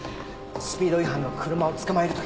スピード違反の車を捕まえるとき